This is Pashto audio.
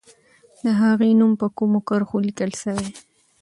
د هغې نوم په کومو کرښو لیکل سوی؟